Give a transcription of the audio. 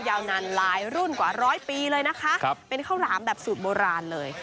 ยาวนานหลายรุ่นกว่าร้อยปีเลยนะคะเป็นข้าวหลามแบบสูตรโบราณเลย